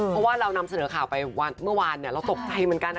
เพราะว่าเรานำเสนอข่าวไปเมื่อวานเราตกใจเหมือนกันนะ